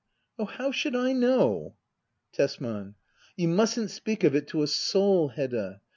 Oh, how should I know ! Tesman. You mustn't speak of it to a soul, Hedda